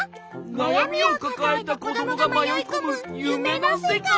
なやみをかかえたこどもがまよいこむゆめのせかい。